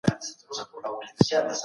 کارپوهان به نړیوالي اړیکي پیاوړي کړي.